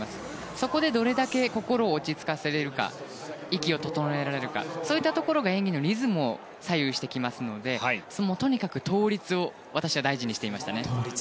そこで、どれだけ心を落ち着かせられるか息を整えられるかが演技のリズムを左右してきますのでとにかく倒立を私は大事にしていましたね。